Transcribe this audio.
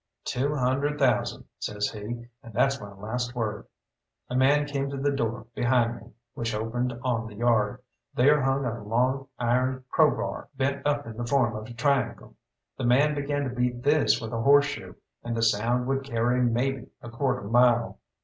"Two hundred thousand," says he, "and that's my last word." A man came to the door behind me, which opened on the yard. There hung a long iron crowbar, bent up in the form of a triangle. The man began to beat this with a horseshoe, and the sound would carry maybe a quarter mile.